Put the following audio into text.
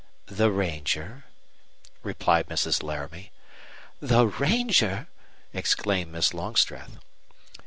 "The ranger," replied Mrs. Laramie. "The ranger!" exclaimed Miss Longstreth.